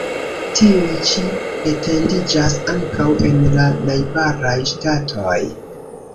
Tiuj ĉi etendiĝas ankaŭ en la najbaraj ŝtatoj.